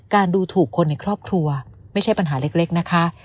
ดูถูกคนในครอบครัวไม่ใช่ปัญหาเล็กนะคะ